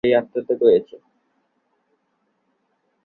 বিবাহ চুকিয়া গেলে পর নবীনের প্রথমা স্ত্রী বিষ খাইয়া আত্মহত্যা করিয়াছে।